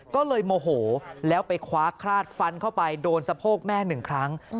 ก็เลยโมโหแล้วไปคว้าคราดฟันเข้าไปโดนสะโพกแม่หนึ่งครั้ง